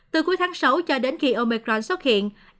từ cuối tháng sáu cho đến khi omecran xuất hiện